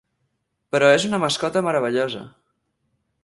Però és una mascota meravellosa.